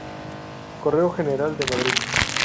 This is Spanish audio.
Correo General de Madrid".